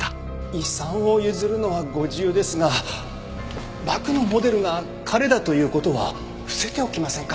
遺産を譲るのはご自由ですがバクのモデルが彼だという事は伏せておきませんか？